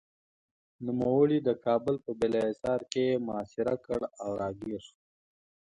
نوموړي یې د کابل په بالاحصار کې محاصره کړ او راګېر شو.